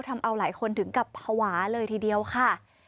ทำเอาหลายคนถึงกับภาวะเลยทีเดียวค่ะ